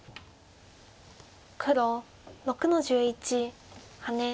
黒６の十一ハネ。